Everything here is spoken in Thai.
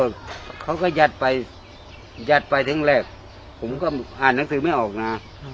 เขาก็ยัดไปยัดไปถึงแรกผมก็อ่านหนังสือไม่ออกนะ